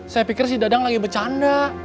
saya pikir si dadang lagi bercanda